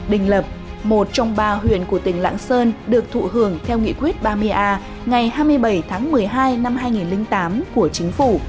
đình lập một trong ba huyện của tỉnh lạng sơn được thụ hưởng theo nghị quyết ba mươi a ngày hai mươi bảy tháng một mươi hai năm hai nghìn tám của chính phủ